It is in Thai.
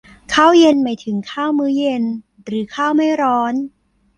ข้าวเย็น หมายถึงข้าวมื้อเย็น หรือข้าวไม่ร้อน